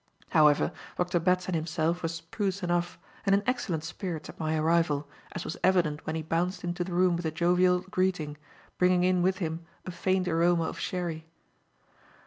However, Dr. Batson himself was spruce enough and in excellent spirits at my arrival, as was evident when he bounced into the room with a jovial greeting, bringing in with him a faint aroma of sherry.